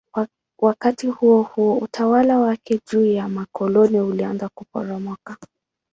Wakati huohuo utawala wake juu ya makoloni ulianza kuporomoka.